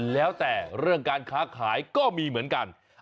แล้วแต่เรื่องการค้าขายก็มีเหมือนกัน